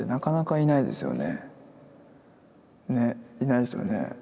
いないですよね。